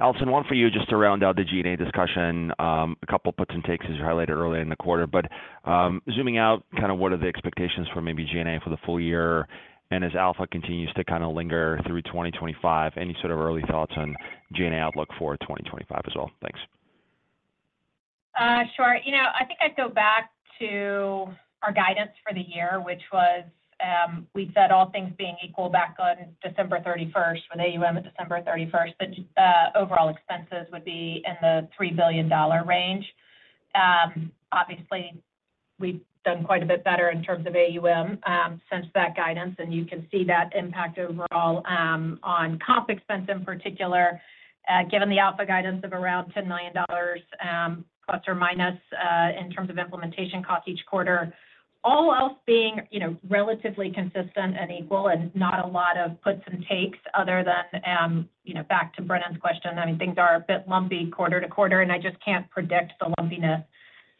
[SPEAKER 10] Allison, one for you just to round out the G&A discussion. A couple of puts and takes as you highlighted earlier in the quarter, but zooming out, kind of what are the expectations for maybe G&A for the full year? And as Alpha continues to kind of linger through 2025, any sort of early thoughts on G&A outlook for 2025 as well? Thanks.
[SPEAKER 4] Sure. I think I'd go back to our guidance for the year, which was we said all things being equal back on December 31st with AUM at December 31st, that overall expenses would be in the $3 billion range. Obviously, we've done quite a bit better in terms of AUM since that guidance, and you can see that impact overall on comp expense in particular, given the Alpha guidance of around $10 million ± in terms of implementation costs each quarter. All else being relatively consistent and equal and not a lot of puts and takes other than back to Brennan's question. I mean, things are a bit lumpy quarter to quarter, and I just can't predict the lumpiness.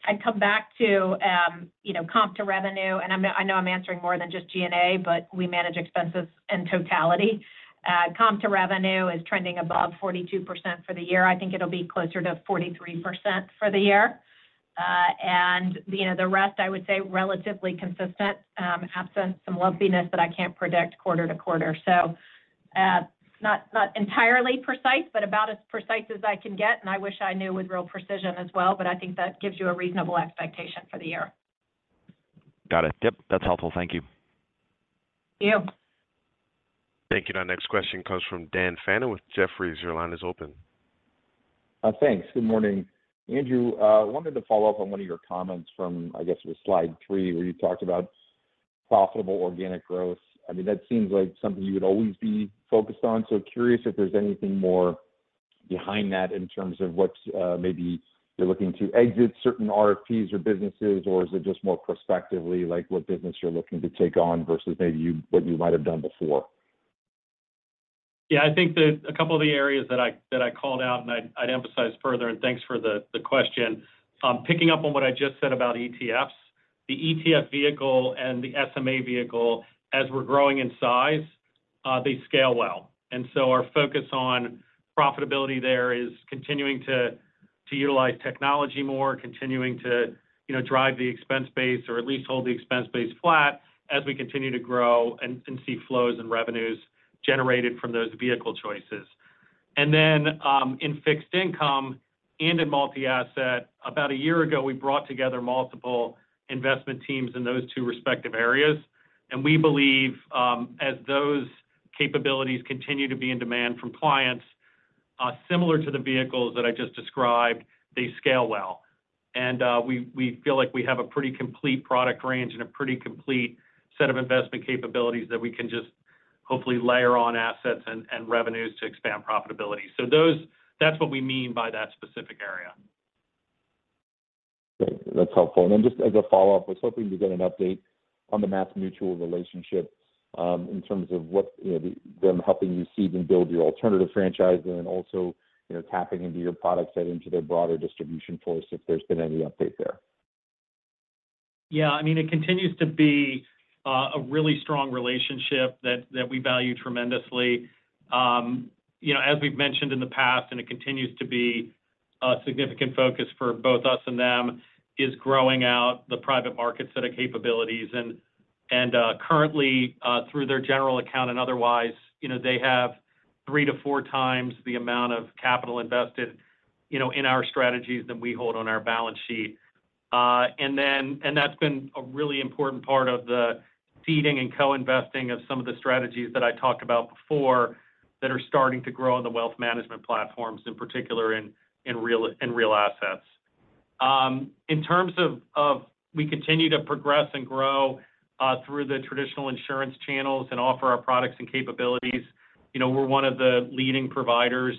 [SPEAKER 4] I'd come back to comp to revenue, and I know I'm answering more than just G&A, but we manage expenses in totality. Comp to revenue is trending above 42% for the year. I think it'll be closer to 43% for the year. The rest, I would say, relatively consistent absent some lumpiness that I can't predict quarter to quarter. So not entirely precise, but about as precise as I can get, and I wish I knew with real precision as well, but I think that gives you a reasonable expectation for the year.
[SPEAKER 10] Got it. Yep. That's helpful. Thank you.
[SPEAKER 1] Thank you. Now, next question comes from Dan Fannon with Jefferies. Your line is open.
[SPEAKER 11] Thanks. Good morning. Andrew, I wanted to follow up on one of your comments from, I guess, it was slide 3 where you talked about profitable organic growth. I mean, that seems like something you would always be focused on. So curious if there's anything more behind that in terms of what maybe you're looking to exit certain RFPs or businesses, or is it just more prospectively like what business you're looking to take on versus maybe what you might have done before?
[SPEAKER 3] Yeah. I think that a couple of the areas that I called out, and I'd emphasize further, and thanks for the question. Picking up on what I just said about ETFs, the ETF vehicle and the SMA vehicle, as we're growing in size, they scale well. So our focus on profitability there is continuing to utilize technology more, continuing to drive the expense base or at least hold the expense base flat as we continue to grow and see flows and revenues generated from those vehicle choices. And then in fixed income and in multi-asset, about a year ago, we brought together multiple investment teams in those two respective areas. We believe as those capabilities continue to be in demand from clients, similar to the vehicles that I just described, they scale well. We feel like we have a pretty complete product range and a pretty complete set of investment capabilities that we can just hopefully layer on assets and revenues to expand profitability. That's what we mean by that specific area. That's helpful. Then just as a follow-up, we're hoping to get an update on the MassMutual relationship in terms of what them helping you seed and build your alternative franchise and then also tapping into your product set into their broader distribution force if there's been any update there. Yeah. I mean, it continues to be a really strong relationship that we value tremendously. As we've mentioned in the past, it continues to be a significant focus for both us and them: growing out the private market set of capabilities. And currently, through their general account and otherwise, they have 3-4 times the amount of capital invested in our strategies than we hold on our balance sheet. And that's been a really important part of the seeding and co-investing of some of the strategies that I talked about before that are starting to grow in the wealth management platforms, in particular in real assets. In terms of we continue to progress and grow through the traditional insurance channels and offer our products and capabilities. We're one of the leading providers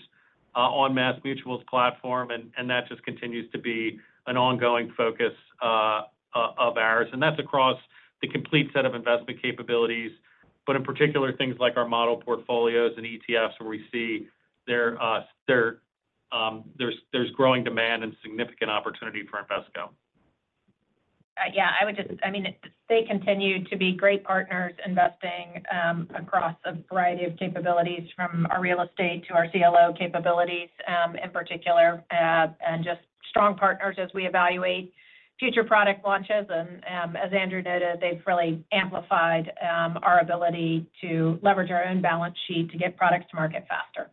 [SPEAKER 3] on MassMutual's platform, and that just continues to be an ongoing focus of ours. And that's across the complete set of investment capabilities, but in particular, things like our model portfolios and ETFs where we see there's growing demand and significant opportunity for Invesco.
[SPEAKER 4] Yeah. I mean, they continue to be great partners investing across a variety of capabilities from our real estate to our CLO capabilities in particular, and just strong partners as we evaluate future product launches. And as Andrew noted, they've really amplified our ability to leverage our own balance sheet to get products to market faster.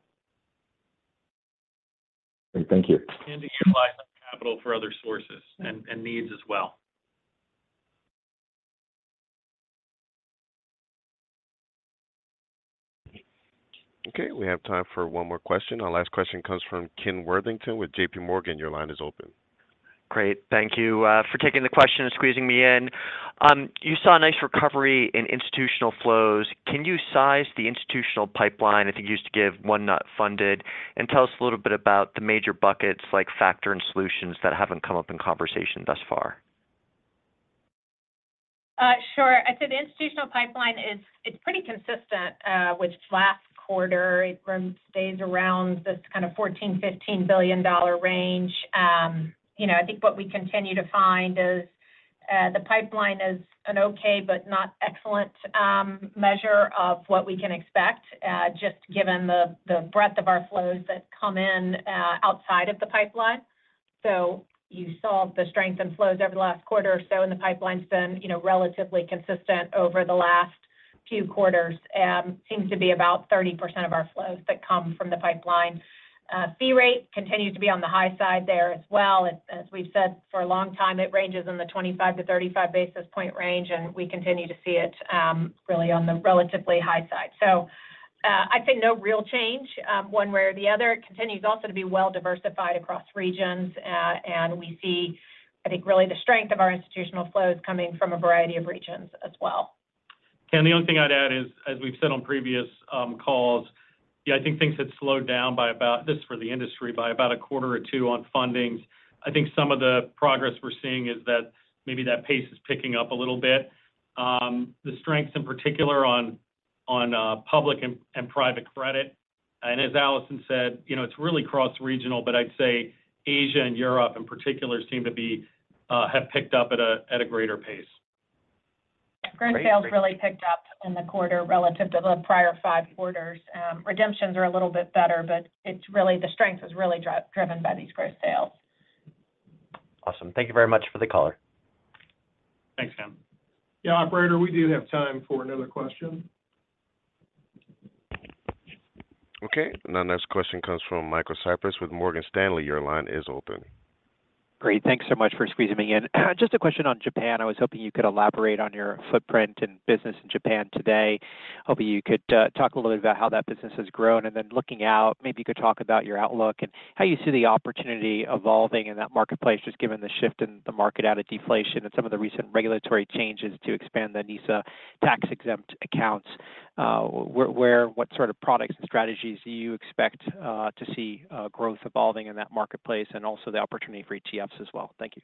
[SPEAKER 11] Great. Thank you.
[SPEAKER 3] And to utilize that capital for other sources and needs as well.
[SPEAKER 1] Okay. We have time for one more question. Our last question comes from Ken Worthington with JPMorgan. Your line is open.
[SPEAKER 12] Great. Thank you for taking the question and squeezing me in. You saw a nice recovery in institutional flows. Can you size the institutional pipeline? I think you used to give one not funded. And tell us a little bit about the major buckets like factor and solutions that haven't come up in conversation thus far.
[SPEAKER 4] Sure. I'd say the institutional pipeline, it's pretty consistent with last quarter. It stays around this kind of $14-$15 billion range. I think what we continue to find is the pipeline is an okay but not excellent measure of what we can expect just given the breadth of our flows that come in outside of the pipeline. So you saw the strength and flows over the last quarter or so, and the pipeline's been relatively consistent over the last few quarters. It seems to be about 30% of our flows that come from the pipeline. Fee rate continues to be on the high side there as well. As we've said for a long time, it ranges in the 25-35 basis point range, and we continue to see it really on the relatively high side. So I'd say no real change one way or the other. It continues also to be well diversified across regions, and we see, I think, really the strength of our institutional flows coming from a variety of regions as well.
[SPEAKER 3] And the only thing I'd add is, as we've said on previous calls, yeah, I think things had slowed down by about this for the industry by about a quarter or two on fundings. I think some of the progress we're seeing is that maybe that pace is picking up a little bit. The strengths in particular on public and private credit. And as Allison said, it's really cross-regional, but I'd say Asia and Europe in particular seem to have picked up at a greater pace.
[SPEAKER 4] Gross sales really picked up in the quarter relative to the prior five quarters. Redemptions are a little bit better, but the strength was really driven by these gross sales.
[SPEAKER 12] Awesome. Thank you very much for the caller.
[SPEAKER 3] Thanks, Ken. Yeah. Operator, we do have time for another question.
[SPEAKER 1] Okay. Now, next question comes from Michael Cyprys with Morgan Stanley. Your line is open.
[SPEAKER 13] Great. Thanks so much for squeezing me in. Just a question on Japan. I was hoping you could elaborate on your footprint and business in Japan today. Hoping you could talk a little bit about how that business has grown. And then looking out, maybe you could talk about your outlook and how you see the opportunity evolving in that marketplace just given the shift in the market out of deflation and some of the recent regulatory changes to expand the NISA tax-exempt accounts. Where and what sort of products and strategies do you expect to see growth evolving in that marketplace and also the opportunity for ETFs as well? Thank you.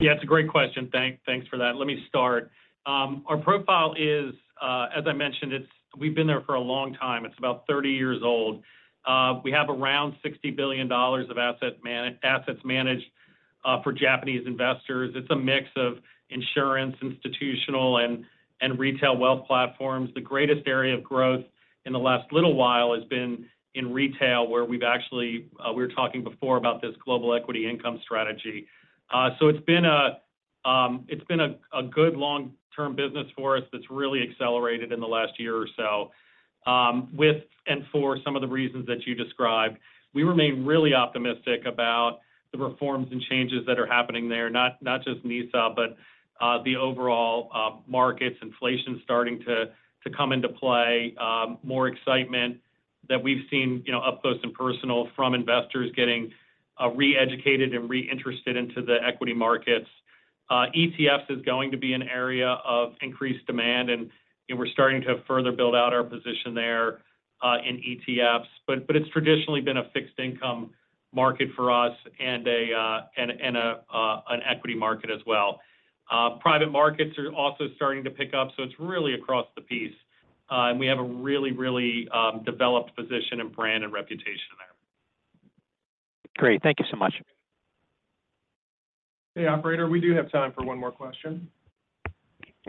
[SPEAKER 3] Yeah. It's a great question. Thanks for that. Let me start. Our profile is, as I mentioned, we've been there for a long time. It's about 30 years old. We have around $60 billion of assets managed for Japanese investors. It's a mix of insurance, institutional, and retail wealth platforms. The greatest area of growth in the last little while has been in retail where we've actually, we were talking before about this Global Equity Income Strategy. So it's been a good long-term business for us that's really accelerated in the last year or so. And for some of the reasons that you described, we remain really optimistic about the reforms and changes that are happening there, not just NISA, but the overall markets, inflation starting to come into play, more excitement that we've seen up close and personal from investors getting re-educated and re-interested into the equity markets. ETFs is going to be an area of increased demand, and we're starting to further build out our position there in ETFs. But it's traditionally been a fixed income market for us and an equity market as well. Private markets are also starting to pick up, so it's really across the piece. And we have a really, really developed position and brand and reputation there.
[SPEAKER 13] Great. Thank you so much.
[SPEAKER 3] Hey, Operator, we do have time for one more question.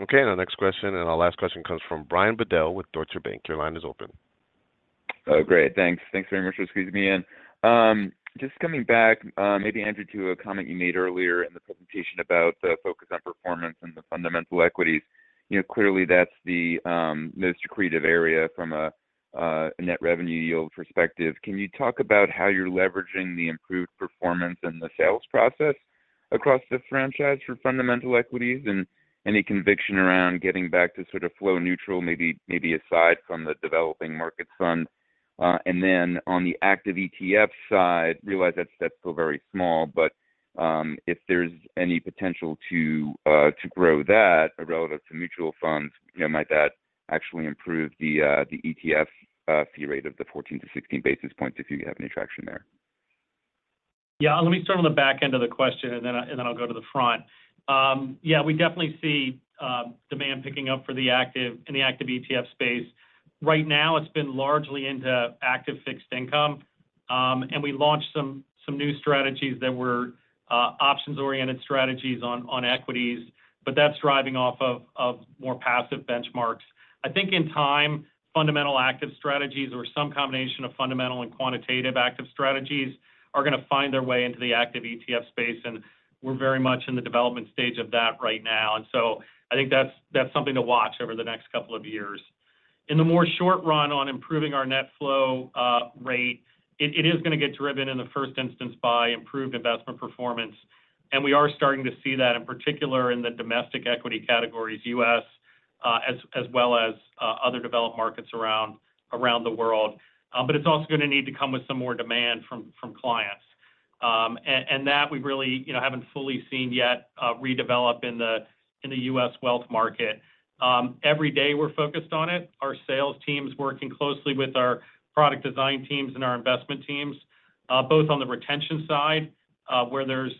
[SPEAKER 1] Okay. Now, next question. And our last question comes from Brian Bedell with Deutsche Bank. Your line is open.
[SPEAKER 14] Oh, great. Thanks. Thanks very much for squeezing me in. Just coming back, maybe, Andrew, to a comment you made earlier in the presentation about the focus on performance and the fundamental equities. Clearly, that's the most accretive area from a net revenue yield perspective. Can you talk about how you're leveraging the improved performance and the sales process across the franchise for fundamental equities and any conviction around getting back to sort of flow neutral, maybe aside from the developing market fund? And then on the active ETF side, realize that's still very small, but if there's any potential to grow that relative to mutual funds, might that actually improve the ETF fee rate of the 14-16 basis points if you have any traction there?
[SPEAKER 3] Yeah. Let me start on the back end of the question, and then I'll go to the front. Yeah. We definitely see demand picking up in the active ETF space. Right now, it's been largely into active fixed income. And we launched some new strategies that were options-oriented strategies on equities, but that's driving off of more passive benchmarks. I think in time, fundamental active strategies or some combination of fundamental and quantitative active strategies are going to find their way into the active ETF space, and we're very much in the development stage of that right now. And so I think that's something to watch over the next couple of years. In the more short run on improving our net flow rate, it is going to get driven in the first instance by improved investment performance. And we are starting to see that in particular in the domestic equity categories, U.S., as well as other developed markets around the world. But it's also going to need to come with some more demand from clients. And that we really haven't fully seen yet redevelop in the U.S. wealth market. Every day, we're focused on it. Our sales team's working closely with our product design teams and our investment teams, both on the retention side where there's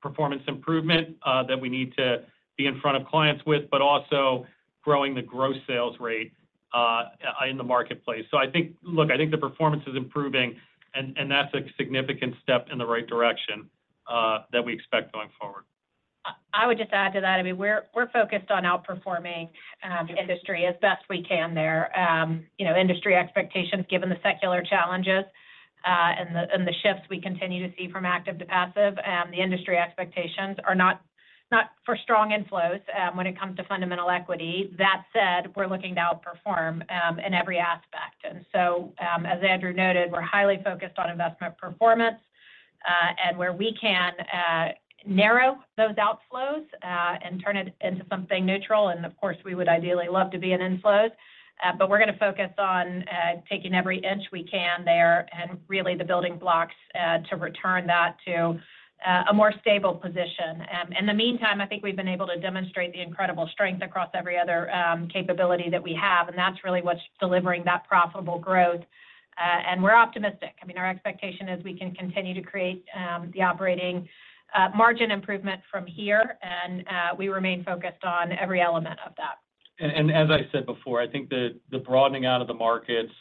[SPEAKER 3] performance improvement that we need to be in front of clients with, but also growing the gross sales rate in the marketplace. So look, I think the performance is improving, and that's a significant step in the right direction that we expect going forward.
[SPEAKER 4] I would just add to that. I mean, we're focused on outperforming industry as best we can there. Industry expectations, given the secular challenges and the shifts we continue to see from active to passive, the industry expectations are not for strong inflows when it comes to fundamental equity. That said, we're looking to outperform in every aspect. And so as Andrew noted, we're highly focused on investment performance and where we can narrow those outflows and turn it into something neutral. Of course, we would ideally love to be in inflows, but we're going to focus on taking every inch we can there and really the building blocks to return that to a more stable position. In the meantime, I think we've been able to demonstrate the incredible strength across every other capability that we have, and that's really what's delivering that profitable growth. We're optimistic. I mean, our expectation is we can continue to create the operating margin improvement from here, and we remain focused on every element of that.
[SPEAKER 3] As I said before, I think the broadening out of the markets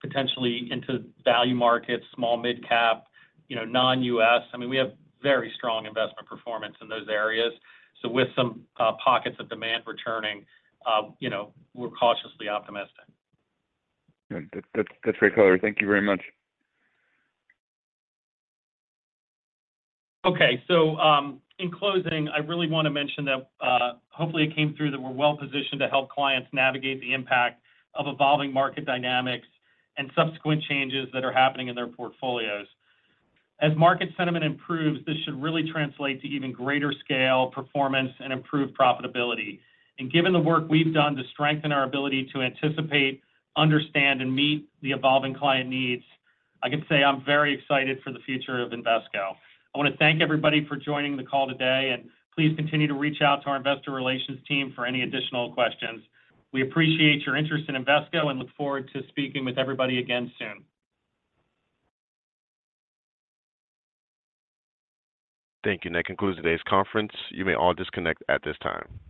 [SPEAKER 3] potentially into value markets, small, mid-cap, non-U.S., I mean, we have very strong investment performance in those areas. So with some pockets of demand returning, we're cautiously optimistic.
[SPEAKER 14] That's great, color. Thank you very much.
[SPEAKER 3] Okay. In closing, I really want to mention that hopefully it came through that we're well positioned to help clients navigate the impact of evolving market dynamics and subsequent changes that are happening in their portfolios. As market sentiment improves, this should really translate to even greater scale, performance, and improved profitability. Given the work we've done to strengthen our ability to anticipate, understand, and meet the evolving client needs, I can say I'm very excited for the future of Invesco. I want to thank everybody for joining the call today, and please continue to reach out to our investor relations team for any additional questions. We appreciate your interest in Invesco and look forward to speaking with everybody again soon.
[SPEAKER 1] Thank you. That concludes today's conference. You may all disconnect at this time.